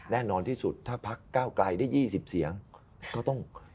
แน่นอนที่สุดถ้าพักก้าวไกลได้๒๐เสียง